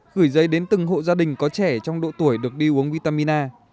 gửi giấy đến từng hộ gia đình có trẻ trong độ tuổi được đi uống vitamin a